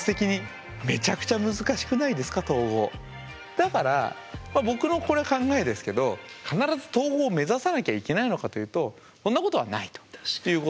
だからまあ僕のこれ考えですけど必ず統合目指さなきゃいけないのかというとそんなことはないということですよね。